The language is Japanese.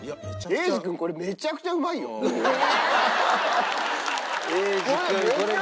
「英二君これめちゃくちゃうまいよ」がきましたね。